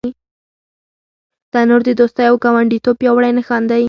تنور د دوستۍ او ګاونډیتوب پیاوړی نښان دی